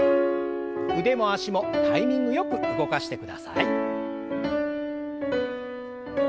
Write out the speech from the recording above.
腕も脚もタイミングよく動かしてください。